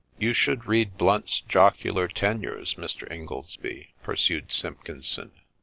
' You should read Blount's Jocular Tenures, Mr. Ingoldsby,' pursued Simpkinson.